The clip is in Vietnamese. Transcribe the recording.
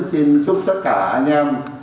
xin chúc tất cả anh em